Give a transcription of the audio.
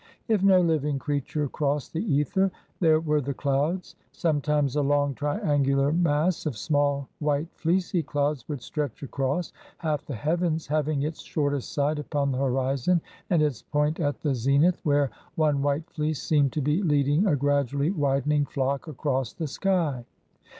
If no living creature crossed the ether, there were the clouds. Sometimes a long triangular mass of small white fleecy clouds would stretch across half the heavens, having its shortest side upon the horizon, and its point at the zenith, where one white fleece seemed to be leading a gradually widening flock across the sky.